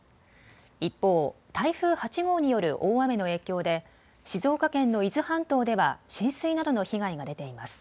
一方、台風８号による大雨の影響で静岡県の伊豆半島では浸水などの被害が出ています。